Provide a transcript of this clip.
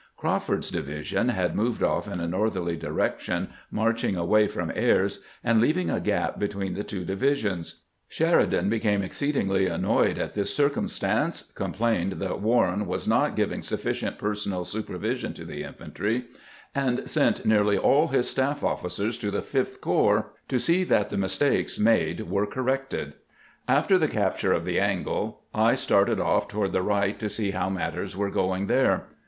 Crawford's division had moved off in a' northerly direction, marching away from Ayres, and leaving a gap between the two divisions. Sheridan became exceedingly annoyed at this circum stance, complained that Warren was not giving suffi cient personal supervision to the infantry, and sent nearly aU his staff officers to the Fifth Corps to see that the |l|l4l|lll|i'll'!Wil llilil THE BATTLE OF FIVE FOEKS 441 mistakes made were corrected. After the capture of the angle I started off toward the right to see how matters were going there.